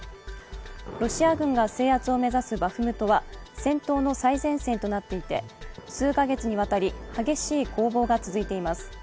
ロシア軍が制圧を目指すバフムトは戦闘の最前線となっていて数か月にわたり激しい攻防が続いています。